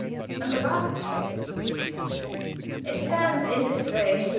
And about the trains. It stands in this way.